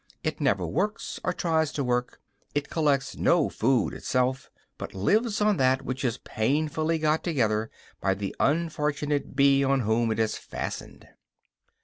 It never works, or tries to work, it collects no food itself, but lives on that which is painfully got together by the unfortunate bee on whom it has fastened.